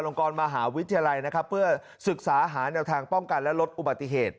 กรมหาวิทยาลัยนะครับเพื่อศึกษาหาแนวทางป้องกันและลดอุบัติเหตุ